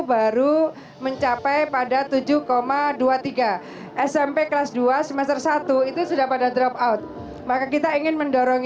baru mencapai pada tujuh dua puluh tiga smp kelas dua semester satu itu sudah pada drop out maka kita ingin mendorong